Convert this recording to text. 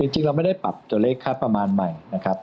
จริงเราไม่ได้ปรับตัวเลขค่าประมาณใหม่นะครับ